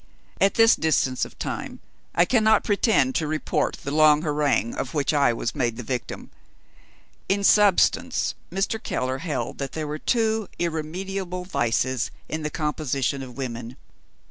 At this distance of time, I cannot pretend to report the long harangue of which I was made the victim. In substance, Mr. Keller held that there were two irremediable vices in the composition of women.